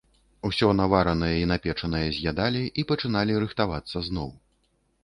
Усё наваранае і напечанае з'ядалі і пачыналі рыхтавацца зноў.